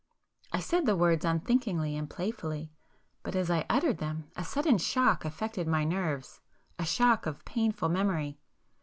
I said the words unthinkingly and playfully, but as I uttered them, a sudden shock affected my nerves,—a shock of painful memory.